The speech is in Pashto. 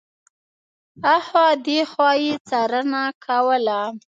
هخوا او دېخوا یې څارنه کوله.